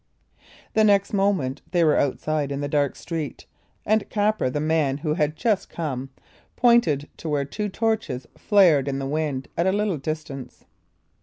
The next moment they were outside in the dark street, and Capper, the man who had just come, pointed to where two torches flared in the wind at a little distance.